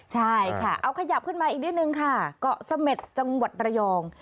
ใช่ค่ะเอาขยับขึ้นมาอีกนิดนึงค่ะเกาะเสม็ดจังหวัดระยอง